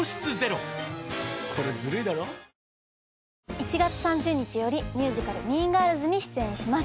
１月３０日よりミュージカル『ＭＥＡＮＧＩＲＬＳ』に出演します。